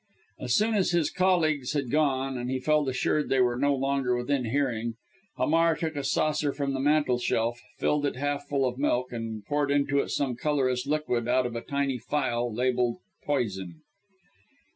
As soon as his colleagues had gone and he felt assured they were no longer within hearing, Hamar took a saucer from the mantelshelf, filled it half full of milk, and poured into it some colourless liquid out of a tiny phial labelled poison.